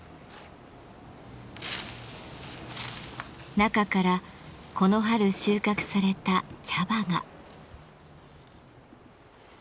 中からこの春収穫された茶葉が。